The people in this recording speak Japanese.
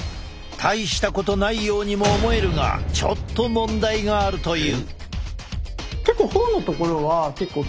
大したことないようにも思えるがちょっと問題があるという。